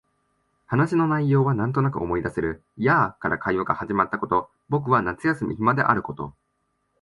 話の内容はなんとなく思い出せる。やあ、から会話が始まったこと、僕は夏休み暇であること、